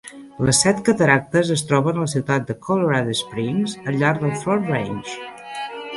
Les Set Cataractes es troben a la ciutat de Colorado Springs, al llarg del Front Range.